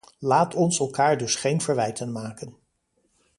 Laat ons elkaar dus geen verwijten maken.